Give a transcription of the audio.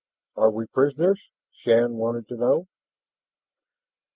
"Are we prisoners?" Shann wanted to know.